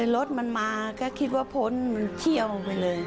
รถมันมาก็คิดว่าพ้นมันเชี่ยวไปเลย